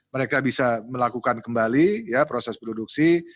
mereka bisa melakukan kembali ya proses produksi